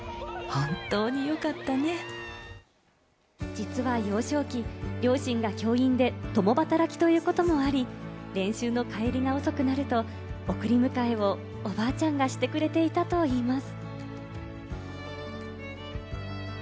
実は幼少期、両親が教員で共働きということもあり、練習の帰りが遅くなると送り迎えをおばあちゃんがしてくれていたといいます。